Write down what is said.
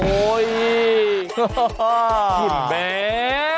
โอ้ยแม่